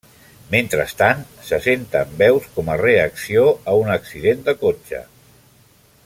Mentrestant, se senten veus com a reacció a un accident de cotxe.